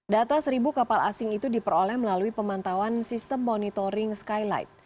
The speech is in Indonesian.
data seribu kapal asing itu diperoleh melalui pemantauan sistem monitoring skylight